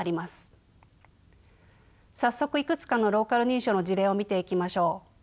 早速いくつかのローカル認証の事例を見ていきましょう。